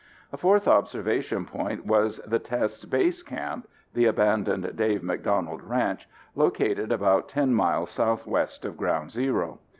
A fourth observation point was the test's Base Camp, (the abandoned Dave McDonald ranch) located about ten miles southwest of Ground Zero.